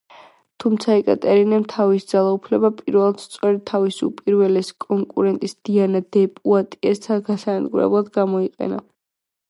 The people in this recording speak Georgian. თუმცა ეკატერინემ თავისი ძალაუფლება პირველად სწორედ თავისი უპირველესი კონკურენტის დიანა დე პუატიეს გასანადგურებლად გამოიყენა.